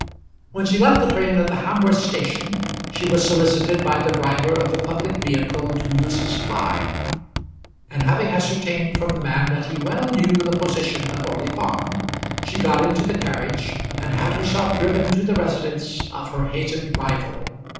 When she left the train at the Hamworth station she was solicited by the driver of a public vehicle to use his fly, and having ascertained from the man that he well knew the position of Orley Farm, she got into the carriage and had herself driven to the residence of her hated rival.